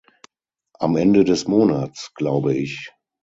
Am Ende des Monats, glaube ich.